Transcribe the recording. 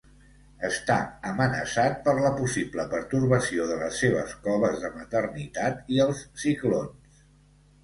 Està amenaçat per la possible pertorbació de les seves coves de maternitat i els ciclons.